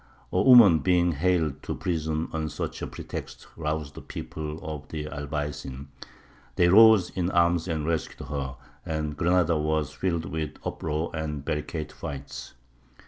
A woman being haled to prison on such a pretext roused the people of the Albaycin; they rose in arms and rescued her, and Granada was filled with uproar and barricade fights.